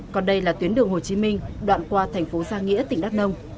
còn đây là tuyến đường hồ chí minh đoạn qua thành phố giang nghĩa tỉnh đắk nông